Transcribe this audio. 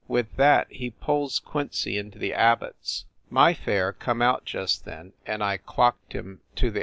With that he pulls Quincy into the Abbots . My fare come out just then, and I clocked him to the.